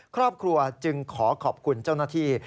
ครอบครัวจึงขอขอบคุณเจ้าหน้าที่